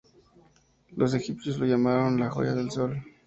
Los egipcios lo llamaron la "joya del sol.